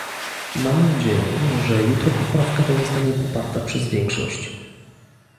Mam nadzieję, że jutro poprawka ta zostanie poparta przez większość